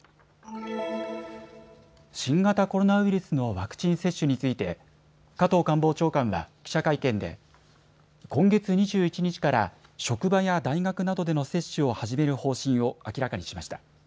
新型コロナウイルスのワクチン接種について加藤官房長官は記者会見で今月２１日から職場や大学などでの接種を始める方針を明らかにしました。